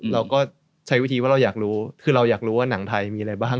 เราก็ใช้วิธีว่าเราอยากรู้คือเราอยากรู้ว่าหนังไทยมีอะไรบ้าง